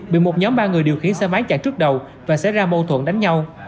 bị một nhóm ba người điều khiến xe máy chạy trước đầu và xảy ra mâu thuận đánh nhau